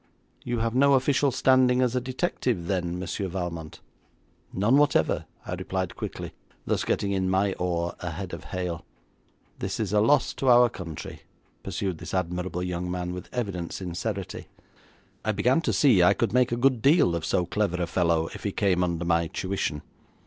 'You have no official standing as a detective, then, Monsieur Valmont?' 'None whatever,' I replied quickly, thus getting in my oar ahead of Hale. 'This is a loss to our country,' pursued this admirable young man, with evident sincerity. I began to see I could make a good deal of so clever a fellow if he came under my tuition.